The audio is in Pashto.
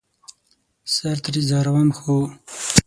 سر ترې ځاروم ،خو